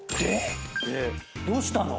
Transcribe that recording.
でどうしたの？